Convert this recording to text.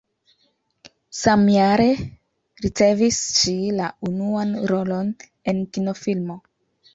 Samjare ricevis ŝi la unuan rolon en kinofilmo.